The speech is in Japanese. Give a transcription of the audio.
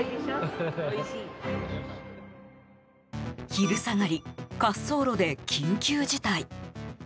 昼下がり、滑走路で緊急事態。